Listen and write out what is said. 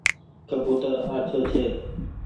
ڪبوتر آڇو ڇي۔